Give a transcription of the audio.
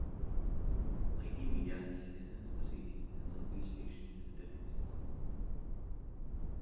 Mighty Media has licensed the series in Southeast Asian territories.